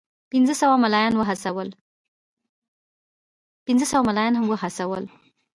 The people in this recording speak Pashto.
پنځه سوه مُلایان وهڅول.